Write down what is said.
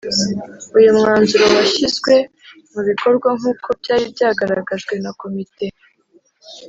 Uyu mwanzuro washyizwe mu bikorwa nk uko byari byagaragajwe na Komite